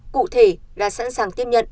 cụ thể là sẵn sàng tiếp nhận